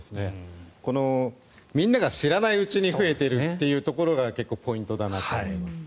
このみんなが知らないうちに増えているというのが結構ポイントだと思います。